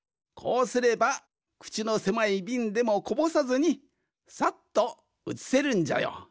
こうすればくちのせまいびんでもこぼさずにさっとうつせるんじゃよ。